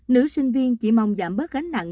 nữ sinh viên chỉ mong giảm bớt gánh nặng